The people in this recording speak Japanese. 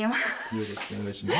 よろしくお願いします。